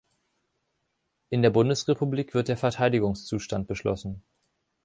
In der Bundesrepublik wird der Verteidigungszustand beschlossen.